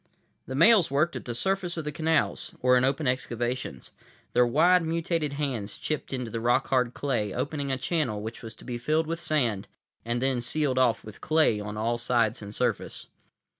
The males worked at the surface of the canals, or in open excavations. Their wide, mutated hands chipped into the rock hard clay, opening a channel which was to be filled with sand and then sealed off with clay on all sides and surface.